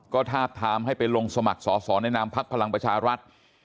ก็ทาบทามให้ไปลงสมัครสอสอในนามพักพลังประชารัฐ